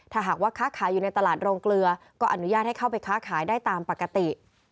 ถ้าหากว่าค้าขายอยู่ในตลาดโรงเกลือก็อนุญาตให้เข้าไปค้าขายได้ตามปกติ